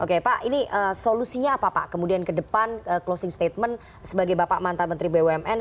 oke pak ini solusinya apa pak kemudian ke depan closing statement sebagai bapak mantan menteri bumn